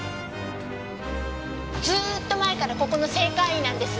ずっと前からここの正会員なんです。